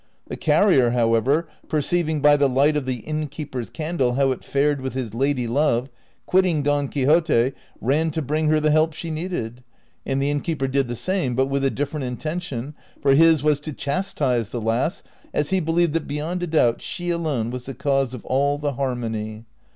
The carrier, however, per ceiving by the light of the innkeeper's candle how it fared with his lady love, quitting Don Quixote, ran to bring her the help she needed ; and the innkeeper did the same but with a different intention, for his was to chastise the lass, as he believed that beyond a doubt she alone was the cause of all the harmony.